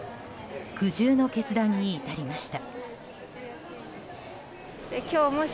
苦渋の決断に至りました。